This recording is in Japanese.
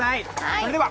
それでは！